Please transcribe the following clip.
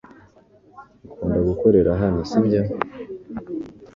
Ukunda gukorera hano sibyo